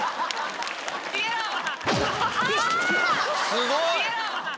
すごい！